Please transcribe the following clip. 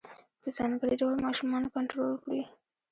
په ځانګړي ډول ماشومان کنترول کړي.